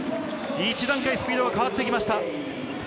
１段階、スピードが変わってきました。